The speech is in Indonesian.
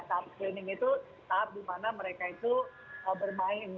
tahap screening itu tahap dimana mereka itu bermain